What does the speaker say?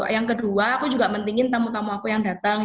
yang kedua aku juga pentingin tamu tamu aku yang datang